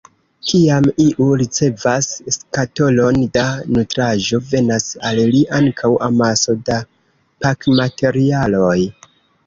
Kiam iu ricevas skatolon da nutraĵo, venas al li ankaŭ amaso da pakmaterialoj.